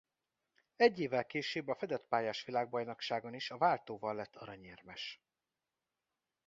Egy évvel később a fedett pályás világbajnokságon is a váltóval lett aranyérmes.